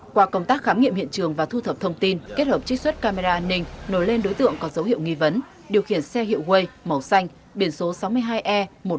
qua công tác khám nghiệm hiện trường và thu thập thông tin kết hợp trích xuất camera an ninh nổi lên đối tượng có dấu hiệu nghi vấn điều khiển xe hiệu quay màu xanh biển số sáu mươi hai e một nghìn chín trăm bốn mươi hai